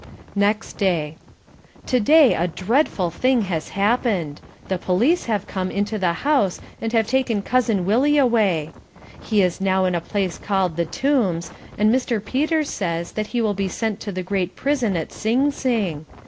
Next Day To day a dreadful thing has happened. The police have come into the house and have taken Cousin Willie away. He is now in a place called The Tombs, and Mr. Peters says that he will be sent to the great prison at Sing Sing.